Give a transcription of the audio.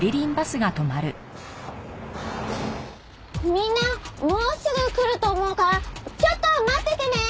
みんなもうすぐ来ると思うからちょっと待っててね！